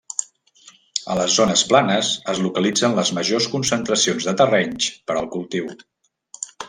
A les zones planes es localitzen les majors concentracions de terrenys per al cultiu.